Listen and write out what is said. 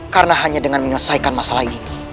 karena hanya dengan menyelesaikan masalah ini